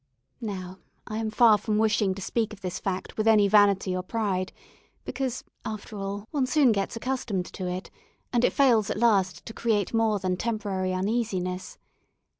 Now I am far from wishing to speak of this fact with any vanity or pride, because, after all, one soon gets accustomed to it, and it fails at last to create more than temporary uneasiness.